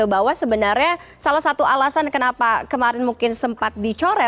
bahwa sebenarnya salah satu alasan kenapa kemarin mungkin sempat dicoret